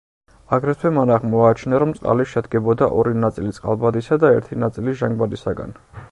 აგრეთვე მან აღმოაჩინა, რომ წყალი შედგებოდა ორი ნაწილი წყალბადისა და ერთი ნაწილი ჟანგბადისაგან.